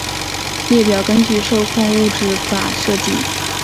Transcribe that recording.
列表根据受控物质法设计。